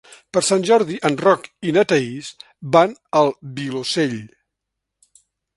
Per Sant Jordi en Roc i na Thaís van al Vilosell.